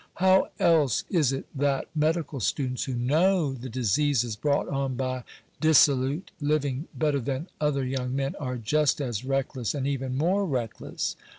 How else is it that medical students, who know the diseases brought on by disso lute living better than other young men, are just as reckless, and even more reckless